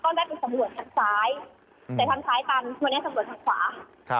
ทางซ้ายแต่ทางซ้ายตันวันนี้สำหรับทางขวาครับสำหรับทางขวา